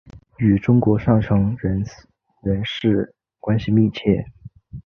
与中国上层人士关系密切。